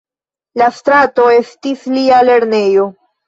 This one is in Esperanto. La strato estis lia lernejo.